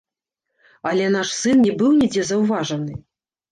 Але наш сын не быў нідзе заўважаны.